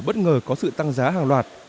bất ngờ có sự tăng giá hàng loạt